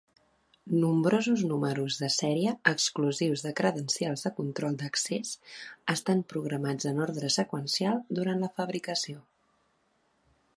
Nombrosos números de sèrie exclusius de credencials de control d'accés estan programats en ordre seqüencial durant la fabricació.